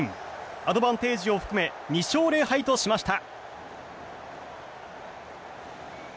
アドバンテージを含め２勝０敗としました。